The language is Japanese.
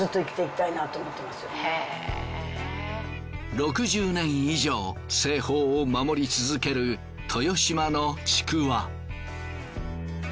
６０年以上製法を守り続ける豊島のちくわ。